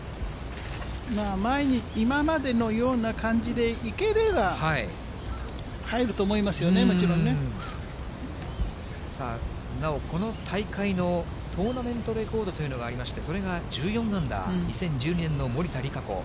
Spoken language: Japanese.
今までのような感じでいければ、入ると思いますよね、もちろさあ、なお、この大会のトーナメントレコードというのがありまして、それが１４アンダー、２０１２年の森田りかこ。